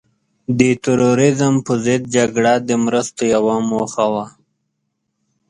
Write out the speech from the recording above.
د تروریزم په ضد جګړه د مرستو یوه موخه وه.